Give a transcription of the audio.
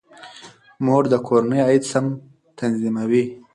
مور د کورنۍ عاید سم تنظیموي.